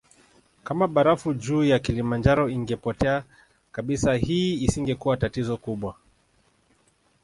Kama barafu juu ya Kilimanjaro ingepotea kabisa hii isingekuwa tatizo kubwa